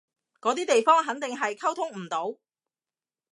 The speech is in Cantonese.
嗰啲地方肯定係溝通唔到